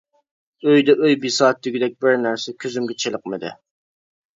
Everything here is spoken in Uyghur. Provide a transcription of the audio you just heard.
ئۆيدە ئۆي بىساتى دېگۈدەك بىرەر نەرسە كۆزۈمگە چېلىقمىدى.